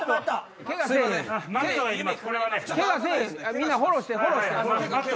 みんなフォローして。